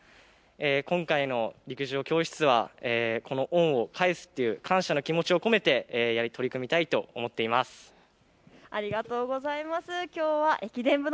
今回の陸上教室はこの恩を返すという感謝の気持ちを込めて取り組みたいと思っています。